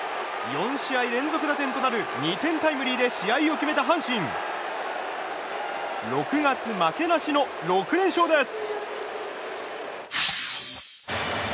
４試合連続打点となる２点タイムリーで試合を決めた阪神６月負けなしの６連勝です！